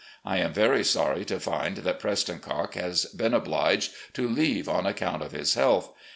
I am very sorry to find that Preston Cocke has been obliged to leave on account of his health.